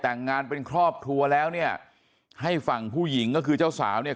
แต่งงานเป็นครอบครัวแล้วเนี่ยให้ฝั่งผู้หญิงก็คือเจ้าสาวเนี่ย